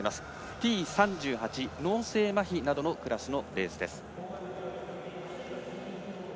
Ｔ３８、脳性まひなどのクラスの決勝です。